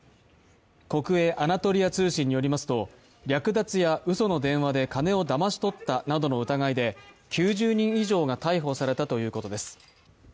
国営アナトリア通信によりますと、略奪やうその電話で金をだまし取ったなどの疑いで９０人以上が逮捕されたということです。